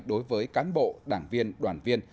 đối với cán bộ đảng viên đoàn viên